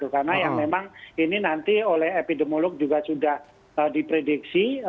karena yang memang ini nanti oleh epidemiolog juga sudah diprediksi